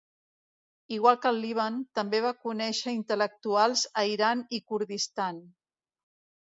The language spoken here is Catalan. Igual que al Líban, també va conèixer intel·lectuals a Iran i Kurdistan.